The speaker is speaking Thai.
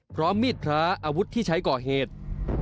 พร้อมมีดพระอาวุธที่ใช้ก่อเหตุ